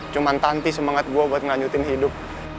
cuma nanti semangat gua buat ngelanjutin hidup